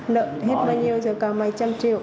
nợ hết bao nhiêu rồi còn mấy trăm triệu